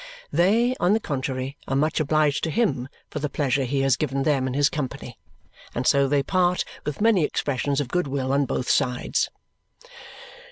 They, on the contrary, are much obliged to him for the pleasure he has given them in his company; and so they part with many expressions of goodwill on both sides.